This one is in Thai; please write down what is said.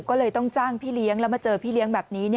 ก็เลยต้องจ้างพี่เลี้ยงแล้วมาเจอพี่เลี้ยงแบบนี้